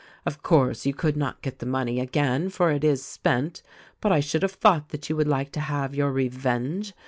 Of course, you could not get the money again, for it is spent ; but I should have thought that you would like to have your re venge.